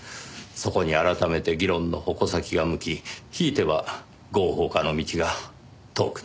そこに改めて議論の矛先が向きひいては合法化の道が遠くなります。